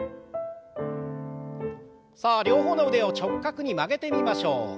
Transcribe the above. さあ両方の腕を直角に曲げてみましょう。